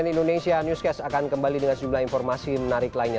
cnn indonesia newscast akan kembali dengan sejumlah informasi menarik lainnya